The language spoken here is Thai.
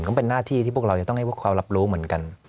ก็เป็นหน้าที่ที่พวกเราจะต้องให้พวกเขารับรู้เหมือนกัน